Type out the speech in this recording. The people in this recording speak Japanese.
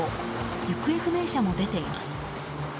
行方不明者も出ています。